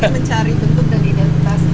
mencari bentuk dan identitas juga sendiri